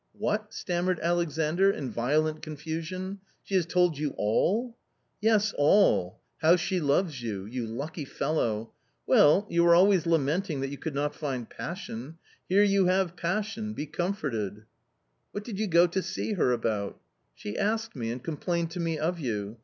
"What !" stammered Alexandr in violent confusion. " She has told you all !'* "Yes, all. How she loves you ! You lucky fellow ! Well, you were always lamenting that you could not find passion ; here you have passion ; b6 comforted !"" What did you go to see her about ?"" She asked me, and complained to me of you.